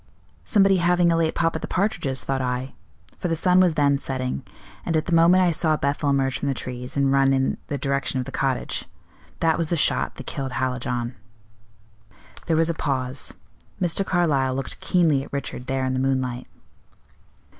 'Somebody having a late pop at the partridges,' thought I; for the sun was then setting, and at the moment I saw Bethel emerge from the trees, and run in the direction of the cottage. That was the shot that killed Hallijohn." There was a pause. Mr. Carlyle looked keenly at Richard there in the moonlight.